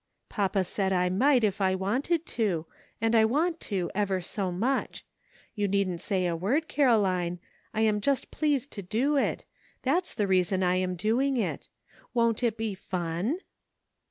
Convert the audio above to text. Papa said I might if I wanted to, and I want to ever so much. You needn't say a word, Caroline, 300 GREAT QUESTIONS SETTLED. I am just pleased to do it ; that's the reason 1 am doing it. Won't it be fun